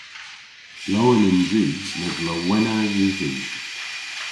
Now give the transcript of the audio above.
Lowen yns i mes lowenna yw hi.